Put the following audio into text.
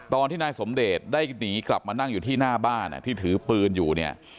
ตอนที่นายสมเดชได้หนีกลับมานั่งอยู่ที่หน้าบ้านที่ถือปืนอยู่เนี่ย